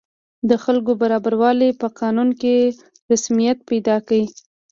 د خلکو برابروالی په قانون کې رسمیت پیدا کړ.